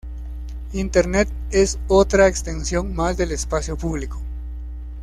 Internet es otra extensión más del espacio público